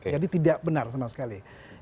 jadi tidak benar sama sekali